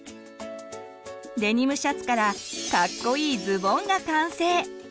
デニムシャツからカッコいいズボンが完成。